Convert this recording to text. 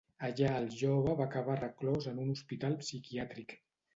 Allà el jove va acabar reclòs en un hospital psiquiàtric.